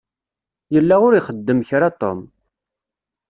Yella ur ixeddem kra Tom.